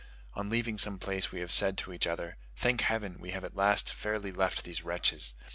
On leaving some place we have said to each other, "Thank heaven, we have at last fairly left these wretches!"